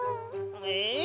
え？